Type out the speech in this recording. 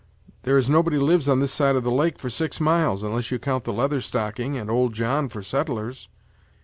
There is nobody lives on this side of the lake, for six miles, unless you count the Leather Stocking and old John for settlers.